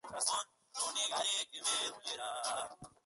Tuvo cuatro hijos ilegítimos que aparecen en genealogías.